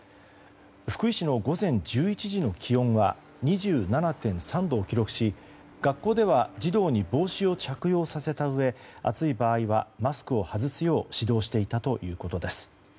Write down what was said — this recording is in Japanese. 福井市の午前１１時の気温は２７．３度を記録し学校では児童に帽子を着用させたうえ暑い場合はマスクを外すよう指導していたということです。